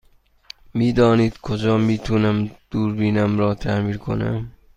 می دانید کجا می تونم دوربینم را تعمیر کنم؟